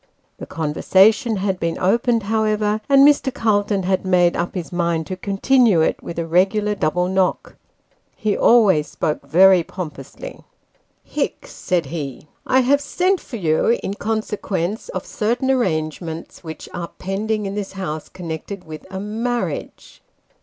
The conversation had been opened, however, and Mr. Calton had made up his mind to continue it with a regular double knock. He always spoke very pompously. " Hicks," said he, " I have sent for you, in consequence of certain arrangements which are pending in this house, connected with a marriage."